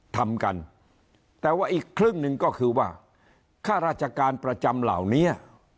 ทำกันแต่ว่าอีกครึ่งหนึ่งก็คือว่าค่าราชการประจำเหล่านี้